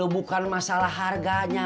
bukan masalah harganya